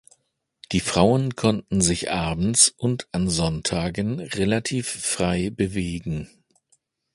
Die Frauen konnten sich abends und an Sonntagen relativ frei bewegen.